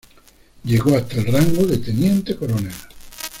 Llegó hasta el rango de teniente coronel.